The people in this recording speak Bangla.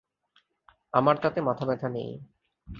আমার তাতে মাথাব্যাথা নেই!